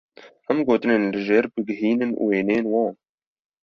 Em gotinên li jêr bigihînin wêneyên wan.